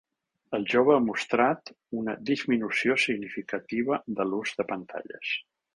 El jove ha mostrat una disminució significativa de l’ús de pantalles.